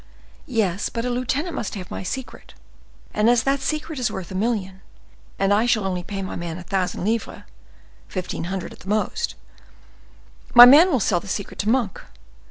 Yes, but a lieutenant must have my secret, and as that secret is worth a million, and I shall only pay my man a thousand livres, fifteen hundred at the most, my man will sell the secret to Monk.